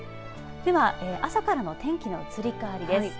では、朝からの天気の移り変わりです。